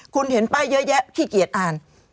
คุณเห็นป้ายเยอะแยะขี้เกียจอ่าน